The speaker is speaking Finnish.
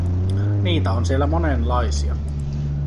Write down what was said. Niitä on siellä monenlaisia.